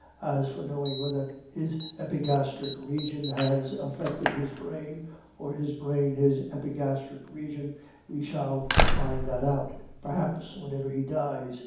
As for knowing whether his epigastric region has affected his brain, or his brain his epigastric region, we shall find that out, perhaps, whenever he dies.